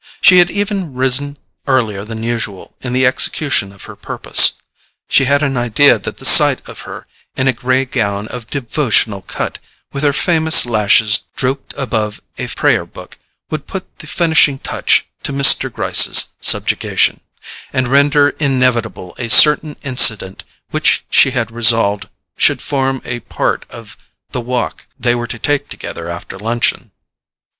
She had even risen earlier than usual in the execution of her purpose. She had an idea that the sight of her in a grey gown of devotional cut, with her famous lashes drooped above a prayer book, would put the finishing touch to Mr. Gryce's subjugation, and render inevitable a certain incident which she had resolved should form a part of the walk they were to take together after luncheon.